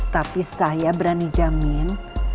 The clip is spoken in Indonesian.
tapi saya berani jamin